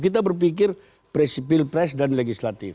kita berpikir presipil press dan legislatif